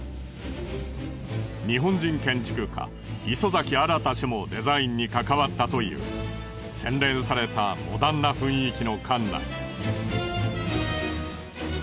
日本人建築家磯崎新氏もデザインに関わったという洗練されたモダンな雰囲気の館内。